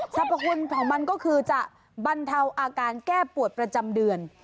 พคุณของมันก็คือจะบรรเทาอาการแก้ปวดประจำเดือน